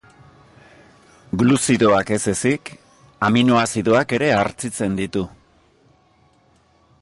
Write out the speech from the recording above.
Gluzidoak ez ezik, aminoazidoak ere hartzitzen ditu.